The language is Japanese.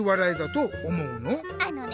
あのね